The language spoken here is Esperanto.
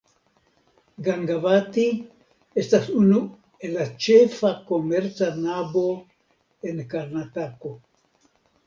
Gangavati estas unu el la ĉefa komerca nabo en Karnatako.